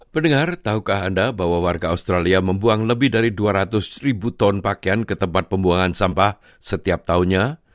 pendengar tahukah anda bahwa warga australia membuang lebih dari dua ratus ribu ton pakaian ke tempat pembuangan sampah setiap tahunnya